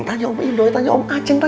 kenapa dia nunggu kita